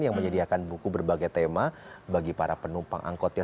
yang menyediakan buku berbagai tema bagi para penumpang angkotnya